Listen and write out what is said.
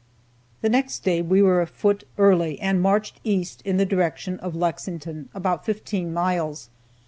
The next day we were afoot early, and marched east in the direction of Lexington about fifteen miles.